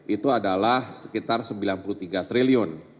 itu adalah sekitar rp sembilan puluh tiga triliun